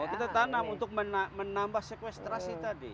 kita tanam untuk menambah sequestrasi tadi